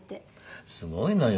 すごいのよ